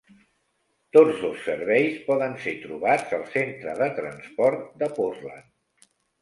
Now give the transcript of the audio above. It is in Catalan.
Tots dos serveis poden ser trobats al Centre de Transport de Portland.